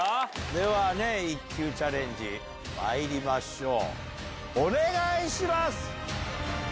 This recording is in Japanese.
ではね一球チャレンジまいりましょう。